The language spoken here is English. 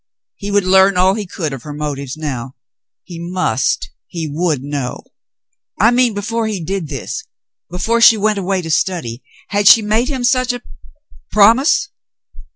He would learn all he could of her motives now. He must — he would know. "I mean before he did this, before she went away to study — had she made him such a — promise